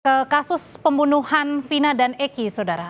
ke kasus pembunuhan vina dan eki saudara